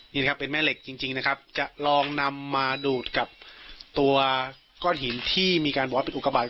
นี่นะครับเป็นแม่เหล็กจริงนะครับจะลองนำมาดูดกับตัวก้อนหินที่มีการบอกว่าเป็นอุกบาท